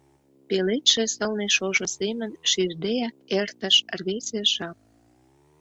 Пеледше сылне шошо семын шиждеак эртыш рвезе жап.